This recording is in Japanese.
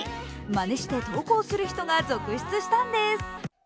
まねして投稿する人が続出したんです。